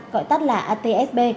gọi tắt là atsb